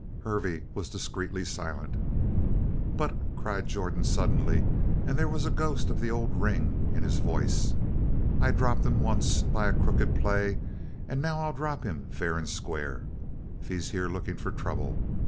Hervey was discreetly silent. "But," cried Jordan suddenly, and there was a ghost of the old ring in his voice, "I dropped him once by a crooked play and now I'll drop him fair and square, if he's here looking for trouble!